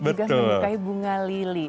juga suka bunga lili